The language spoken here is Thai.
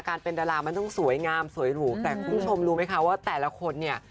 การเป็นดารามันต้องสวยงามสวยหรูแต่คุณผู้ชมรู้ไหมคะว่าแต่ละคนเนี่ย